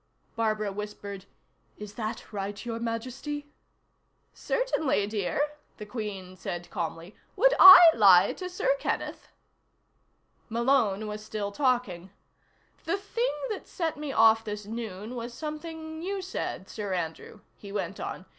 Barbara whispered: "Is that right, Your Majesty?" "Certainly, dear," the Queen said calmly. "Would I lie to Sir Kenneth?" Malone was still talking. "The thing that set me off this noon was something you said, Sir Andrew," he went on.